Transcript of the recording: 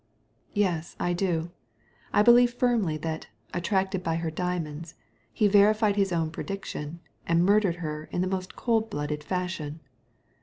"Yes, I do. I believe firmly that, attracted by her diamonds, he verified his own prediction, and murdered her in the most cold blooded fashion."